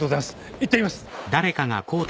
行ってみます。